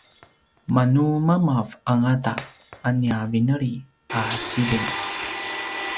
manu mamav angata a nia vineli a zitting